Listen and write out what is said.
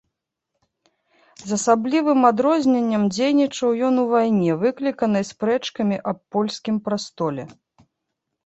З асаблівым адрозненнем дзейнічаў ён у вайне, выкліканай спрэчкамі аб польскім прастоле.